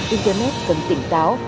internet cần tỉnh táo